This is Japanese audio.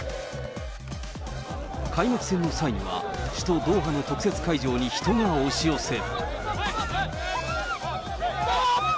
開幕戦の際には、首都ドーハの特設会場に人が押し寄せ。